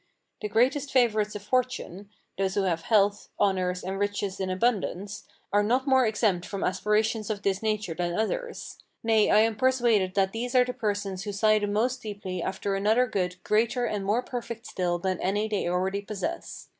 The greatest favourites of fortune those who have health, honours, and riches in abundance are not more exempt from aspirations of this nature than others; nay, I am persuaded that these are the persons who sigh the most deeply after another good greater and more perfect still than any they already possess.